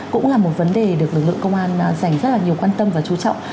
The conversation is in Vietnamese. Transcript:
cũng là một vấn đề được lực lượng công an dành rất là nhiều quan tâm và chú trọng